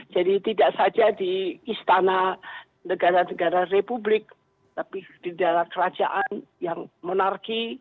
jadi tidak saja di istana negara negara republik tapi di dalam kerajaan yang monarki